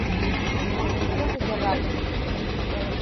Un ciclo se cerraba.